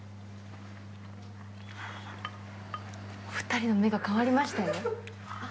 ２人の目が変わりましたよ。